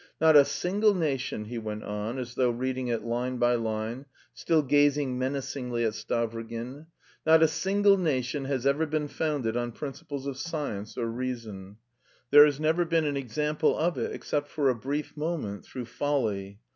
"Not a single nation," he went on, as though reading it line by line, still gazing menacingly at Stavrogin, "not a single nation has ever been founded on principles of science or reason. There has never been an example of it, except for a brief moment, through folly.